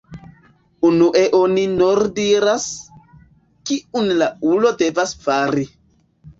Unue oni nur diras, kiun la ulo devas fari.